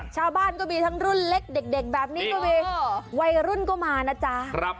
ชาวบ้านก็มีทั้งรุ่นเล็กเด็กแบบนี้ก็มีวัยรุ่นก็มานะจ๊ะ